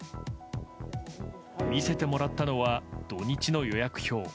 見せてもらったのは土日の予約表。